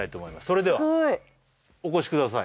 それではお越しください